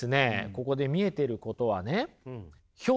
ここで見えていることはね